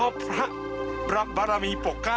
สวัสดีครับทุกคน